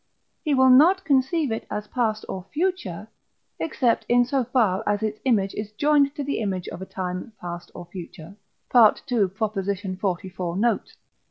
he will not conceive it as past or future, except in so far as its image is joined to the image of time past or future (II. xliv. note).